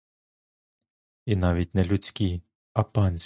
І навіть не людські, а панські.